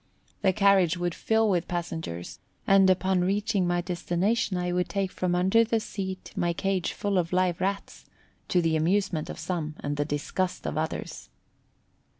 The carriage would fill with passengers, and upon reaching my destination I would take from under the seat my cage full of live Rats, to the amusement of some and the disgust of others.